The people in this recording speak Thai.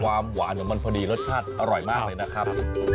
หวานของมันพอดีรสชาติอร่อยมากเลยนะครับ